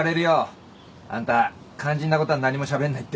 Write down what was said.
あんた肝心なことは何もしゃべんないって。